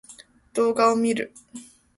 動画を見る